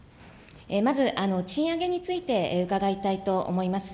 まず賃上げについて伺いたいと思います。